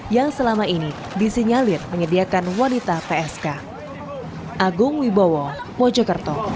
yang selama ini disinyalir menyediakan wanita psk